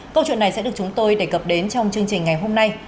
câu chuyện này sẽ được chúng tôi đề cập đến trong chương trình ngày hôm nay